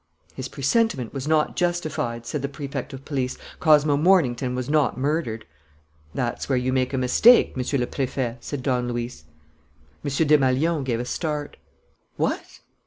'" "His presentiment was not justified," said the Prefect of Police. "Cosmo Mornington was not murdered." "That's where you make a mistake, Monsieur le Préfet," said Don Luis. M. Desmalions gave a start. "What!